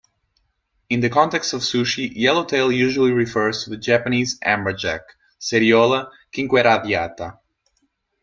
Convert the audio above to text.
In the context of sushi, yellowtail usually refers to the Japanese amberjack, "Seriola quinqueradiata".